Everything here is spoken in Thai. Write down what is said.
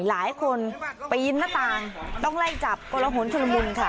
หลายคนไปยินหน้าต่างต้องไล่จับโปรหลหลวงธรรมุนค่ะ